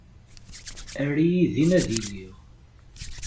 Err-iyi din ad iliɣ.